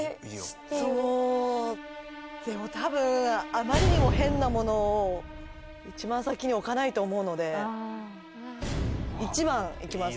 でも、たぶん、あまりにも変なものを１番先に置かないと思うので、１番いきます。